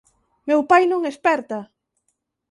Meu pai non esperta!